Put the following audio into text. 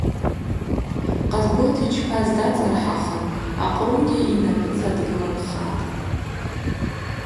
Къасбот йчпаз дацӏархӏахын акъругьи йнапӏыцӏа дгыланхатӏ.